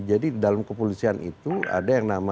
jadi dalam kepolisian itu ada yang nangis ya